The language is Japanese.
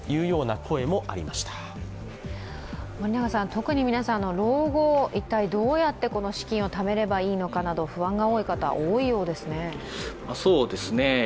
特に皆さん、老後、一体どうやって資金をためればいいのかなど不安が多い方、多いようですね。